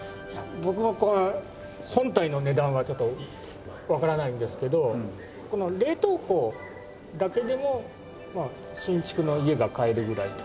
僕も本体の値段はちょっとわからないんですけどこの冷凍庫だけでも新築の家が買えるぐらいと。